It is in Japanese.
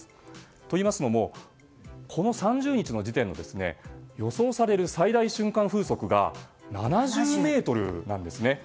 と言いますのもこの３０日の時点の予想される最大瞬間風速が７０メートルなんですね。